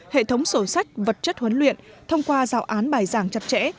hệ thống sổ sách vật chất huấn luyện thông qua giáo án bài giảng chặt chẽ